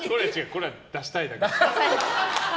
これは出したいだけ。